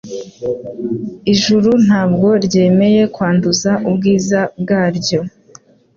Ijuru ntabwo ryemeye kwanduza ubwiza bwaryo